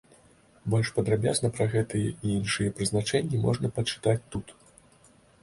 Больш падрабязна пра гэтыя і іншыя прызначэнні можна пачытаць тут.